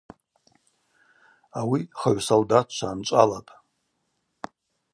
Ауи хыгӏв солдатчва анчӏвалапӏ.